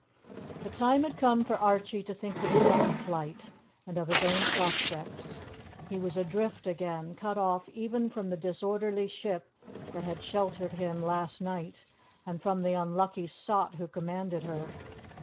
The time had come for Archie to think of his own plight and of his own prospects. He was adrift again, cut off even from the disorderly ship that had sheltered him last night, and from the unlucky sot who commanded her.